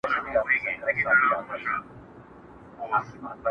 مه یې را کوه د هضمېدلو توان یې نلرم،